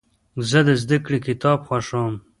زه د زدهکړې کتاب خوښوم.